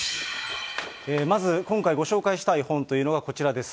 まず今回ご紹介したいという本がこちらです。